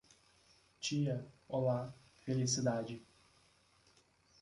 Tia, olá, felicidade.